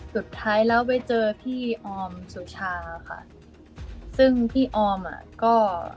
สุดท้ายแล้วไปเจอพี่ออมสุชาค่ะซึ่งพี่ออมอ่ะก็